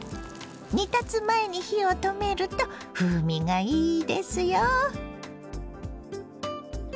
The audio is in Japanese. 煮立つ前に火を止めると風味がいいですよ。